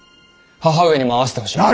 母上にも会わせてほしい。